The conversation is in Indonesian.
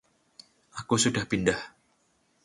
Aku sudah pindah.